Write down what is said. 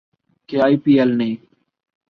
کہ I P L نے